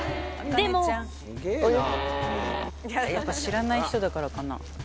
でもやっぱ知らない人だからかな。